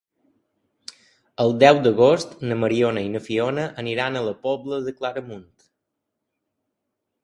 El deu d'agost na Mariona i na Fiona aniran a la Pobla de Claramunt.